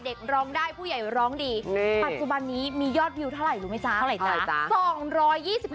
เป็นตาหักป่านนี่ให้เคอรี่มาส่งได้บ่